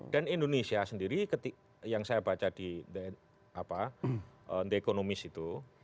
dan indonesia sendiri yang saya baca di the economist itu